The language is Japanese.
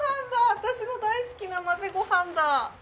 私の大好きな混ぜご飯だ。